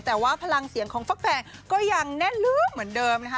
แต่ว่าพลังเสียงของฟักแพงก็ยังแน่นลืมเหมือนเดิมนะคะ